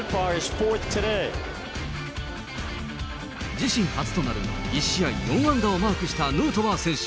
自身初となる１試合４安打をマークしたヌートバー選手。